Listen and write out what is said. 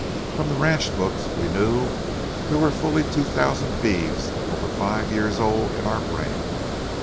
From the ranch books, we knew there were fully two thousand beeves over five years old in our brand.